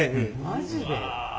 マジで？